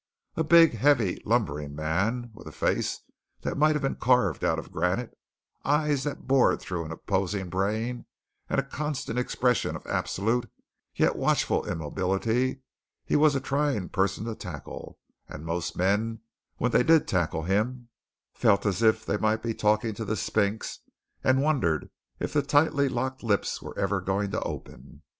A big, heavy, lumbering man, with a face that might have been carved out of granite, eyes that bored through an opposing brain, and a constant expression of absolute, yet watchful immobility, he was a trying person to tackle, and most men, when they did tackle him, felt as if they might be talking to the Sphinx and wondered if the tightly locked lips were ever going to open.